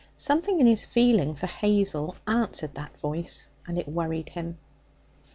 Something in his feeling for Hazel answered that voice, and it worried him.